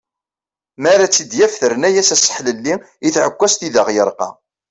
Mi ara tt-id-yaf terna-yas aseḥlelli i tεekkazt i d aɣ-yerqa.